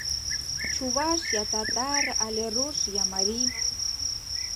Чуваш я татар але руш я марий.